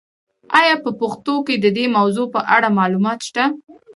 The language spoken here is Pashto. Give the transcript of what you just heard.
آیا په پښتو کې د دې موضوع په اړه معلومات شته؟